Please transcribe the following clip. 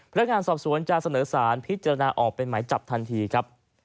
พนักงานสอบสวนจะเสนอสารพิจารณาออกเป็นหมายจับทันทีครับ